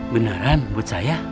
beneran buat saya